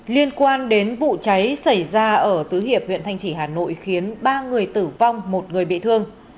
liên quan đến vụ cháy xảy ra ở tứ hiệp huyện thanh chỉ hà nội khiến ba người tử vong một người bị thương